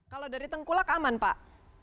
kalau dari tengkulak aman pak